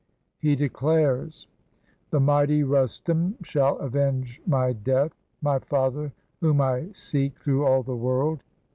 He declares: — "The mighty Rustum shall avenge my death, My father, whom I seek through all the world!